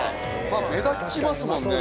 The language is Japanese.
まあ目立ちますもんね